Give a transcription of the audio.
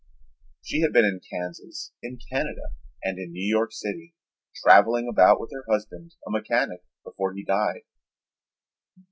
She had been in Kansas, in Canada, and in New York City, traveling about with her husband, a mechanic, before he died.